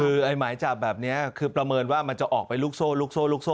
คือไอ้หมายจับแบบนี้คือประเมินว่ามันจะออกไปลุกโซ